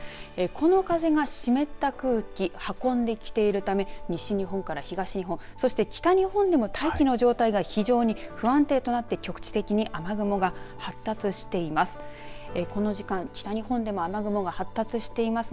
この風が湿った空気運んできているため西日本から東日本そして北日本でも大気の状態が非常に不安定となって、局地的に雨雲が発達しています。